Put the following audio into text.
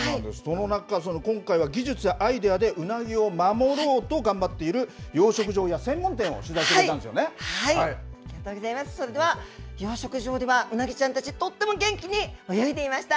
今回は技術やアイデアでウナギを守ろうと頑張っている養殖場や専門店をそれでは、養殖場ではウナギちゃんたちとっても元気に泳いでいました。